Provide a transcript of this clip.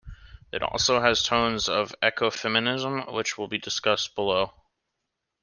It also has tones of ecofeminism, which will be discussed below.